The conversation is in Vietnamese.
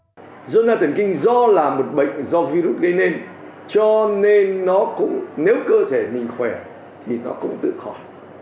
do genna thần kinh do là một bệnh do virus gây nên cho nên nó cũng nếu cơ thể mình khỏe thì nó cũng tự khỏi